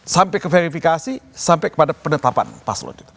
sampai ke verifikasi sampai kepada penetapan paslon